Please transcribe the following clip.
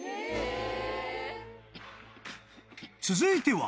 ［続いては］